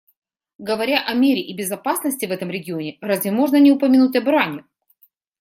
Говоря о мире и безопасности в этом регионе, разве можно не упомянуть об Иране?